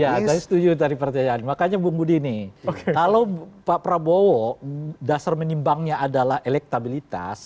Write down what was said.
ya saya setuju tadi pertanyaan makanya bung budi nih kalau pak prabowo dasar menimbangnya adalah elektabilitas